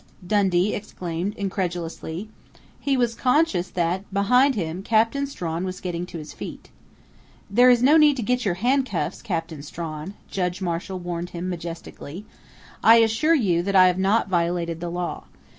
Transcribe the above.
Dundee exclaimed incredulously. He was conscious that, behind him, Captain Strawn was getting to his feet. "There is no need to get out your handcuffs, Captain Strawn!" Judge Marshall warned him majestically. "I assure you that I have not violated the law.